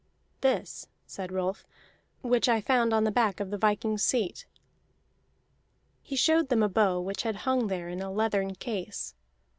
"This," said Rolf, "which I found on the back of the viking's seat." He showed them a bow which had hung there in a leathern case.